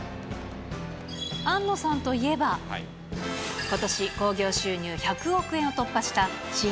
庵野さんといえば、ことし、興行収入１００億円を突破したシン・